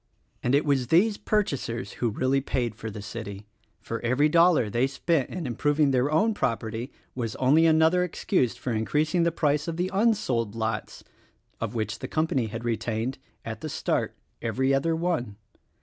And it was these purchasers who really paid for the city; for every dollar they spent in improving their own property was only another excuse for increasing the price of the unsold lots, of which the company had retained — at the start — every other one.